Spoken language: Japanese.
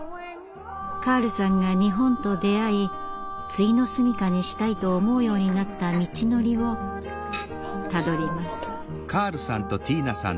カールさんが日本と出会いついの住みかにしたいと思うようになった道のりをたどります。